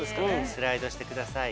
スライドしてください。